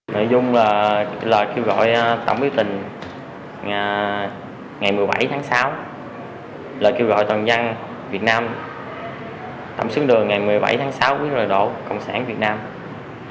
nội dung là kêu gọi tổng biểu tình ngày một mươi bảy tháng sáu là kêu gọi toàn dân việt nam tổng xuyên đường ngày một mươi bảy tháng sáu